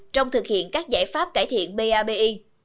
trong thực hiện các giải pháp cải thiện pabi